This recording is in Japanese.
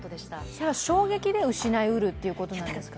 それは衝撃で失いうるということですか？